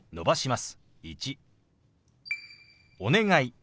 「お願い」。